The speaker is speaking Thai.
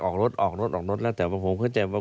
ออกรถออกรถออกรถแล้วแต่ว่าผมเข้าใจว่า